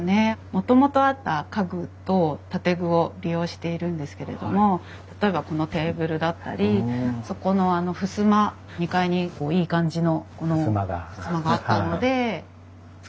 もともとあった家具と建具を利用しているんですけれども例えばこのテーブルだったりそこのふすま２階にいい感じのふすまがあったので使いました。